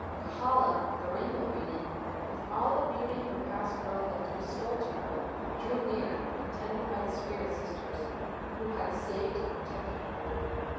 Kahala, the rainbow maiden, with all the beauty of her past girlhood restored to her, drew near, attended by the two spirit sisters who had saved and protected her.